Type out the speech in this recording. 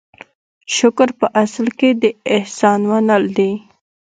شکر په اصل کې د احسان منل دي.